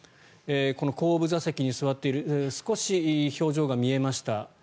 この後部座席に座っている少し表情が見えました。